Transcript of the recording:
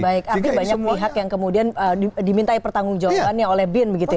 baik tapi banyak pihak yang kemudian dimintai pertanggung jawabannya oleh bin